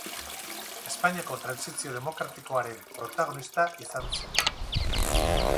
Espainiako Trantsizio Demokratikoaren protagonista izan zen.